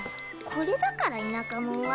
これだから田舎者は。